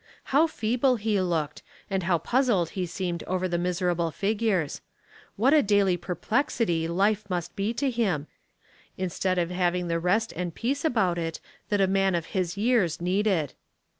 How feeble he looked, and how puzzled he seemed over the miserable figures. What a daily perplexity life must be to him, instead of having the rest and 352 Household Puzzles, peace about it that a man of his years needed.